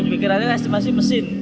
pikirannya kan estimasi mesin